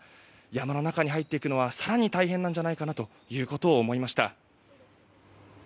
山の中に入っていくのは更に大変なんじゃないかなということを思いました。